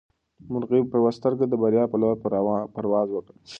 مرغۍ په یوه سترګه د بریا په لور پرواز وکړ.